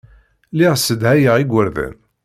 Lliɣ ssedhayeɣ igerdan.